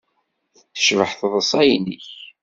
Tecbeḥ teḍsa-nnek.